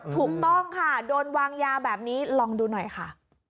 ถูกต้องค่ะโดนวางยาแบบนี้ลองดูหน่อยค่ะ